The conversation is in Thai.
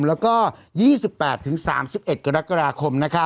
วันยย๒๘๓๑กรกฎาคม